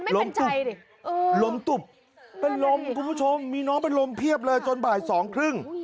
ลมตุบลมตุบเป็นลมคุณผู้ชมมีน้องเป็นลมเพียบเลยจนบ่ายสองครึ่ง